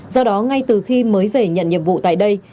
do đó ngay từ khi mới về nhận nhiệm vụ tại đây